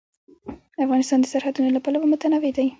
افغانستان د سرحدونه له پلوه متنوع دی.